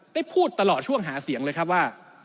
ได้พูดตลอดช่วงหาเสียงเลยครับว่า